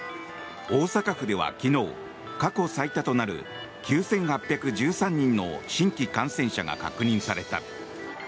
大阪府では昨日、過去最多となる９８１３人の新規感染者が確認された。